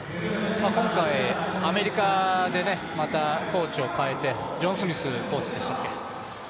今回、アメリカでまたコーチを代えてジョン・スミスコーチでしたっけ。